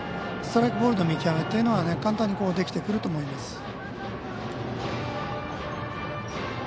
ストライク、ボールの見極めというのは簡単にできてくると思います。